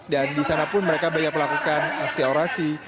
dan di sana pun mereka banyak melakukan aksi orasi